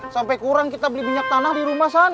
sampai kurang kita beli minyak tanah di rumah sana